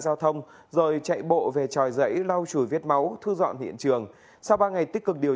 giao thông rồi chạy bộ về tròi giấy lau chùi viết máu thư dọn hiện trường sau ba ngày tích cực điều